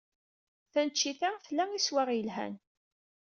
Taneččit-a tla iswaɣ yelhan.